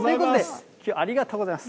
ありがとうございます。